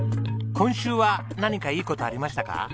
今週は何かいい事ありましたか？